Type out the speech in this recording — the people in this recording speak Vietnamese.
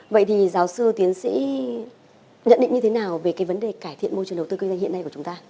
vậy thì giáo sư tiến sĩ nhận định như thế nào về cái vấn đề cải thiện môi trường đầu tư kinh doanh hiện nay của chúng ta